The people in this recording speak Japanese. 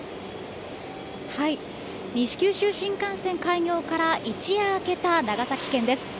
西九州新幹線開業から一夜明けた長崎県です。